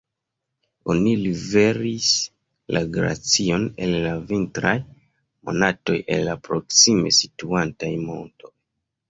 Oni liveris la glacion en la vintraj monatoj el la proksime situantaj montoj.